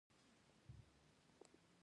د هوږې شیره د څه لپاره وکاروم؟